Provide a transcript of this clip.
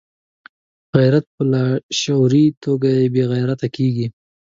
غیرت په لاشعوري توګه بې غیرته کېږي.